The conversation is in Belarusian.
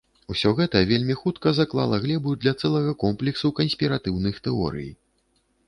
Усё гэта вельмі хутка заклала глебу для цэлага комплексу канспіратыўных тэорый.